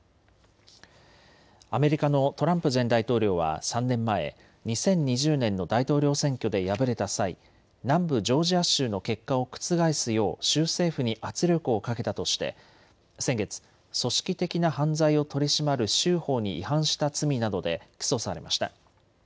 アメリカのトランプ前大統領は３年前、２０２０年の大統領選挙で敗れた際、南部ジョージア州の結果を覆すよう州政府に圧力をかけたとして先月、組織的な犯罪を取り締まる州法に違反した罪などで起訴されました。